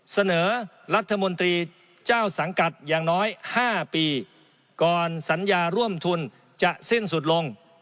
เสนอรัฐมนตรีเจ้าสังกัดอย่างน้อย๕ปีก่อนสัญญาร่วมทุนจะสิ้นสุดลง